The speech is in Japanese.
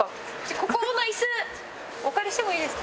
ここの椅子お借りしてもいいですか？